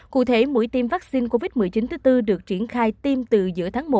cụ thể mũi tiêm vắc xin covid một mươi chín thứ bốn được triển khai tiêm từ giữa tháng một